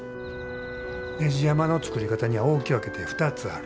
ねじ山の作り方には大き分けて２つある。